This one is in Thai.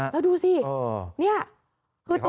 แล้วดูสินี่คือตัว